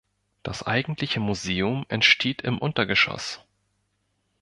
Das eigentliche Museum entsteht im Untergeschoss.